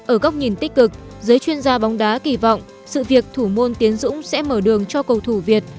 ở góc nhìn tích cực giới chuyên gia bóng đá kỳ vọng sự việc thủ môn tiến dũng sẽ mở đường cho cầu thủ việt